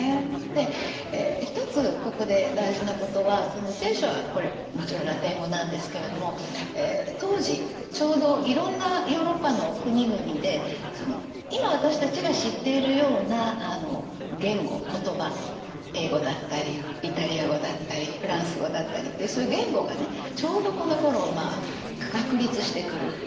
で一つここで大事なことは「聖書」はこれもちろんラテン語なんですけれども当時ちょうどいろんなヨーロッパの国々で今私たちが知っているような言語言葉英語だったりイタリア語だったりフランス語だったりってそういう言語がねちょうどこのころ確立してくる。